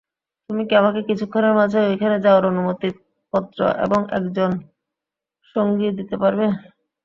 তুমি কি আমাকে কিছুক্ষণের মাঝেই ঐখানে যাওয়ার অনুমতিপত্র এবং একজন সঙ্গী দিতে পারবে?